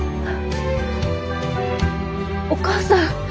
お義母さん。